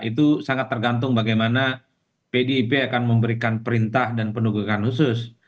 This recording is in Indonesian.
itu sangat tergantung bagaimana pdip akan memberikan perintah dan penugakan khusus